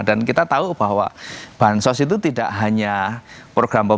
saya kira itu masuk akal ya karena kan kepentingan untuk tiga bulan pertama sampai pemilu itu konsentrasinya di sana